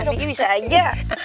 tadi bisa aja